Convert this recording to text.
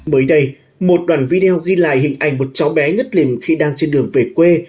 mới đây một đoạn video ghi lại hình ảnh một cháu bé ngất lìm khi đang trên đường về quê